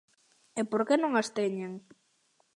E por que non as teñen?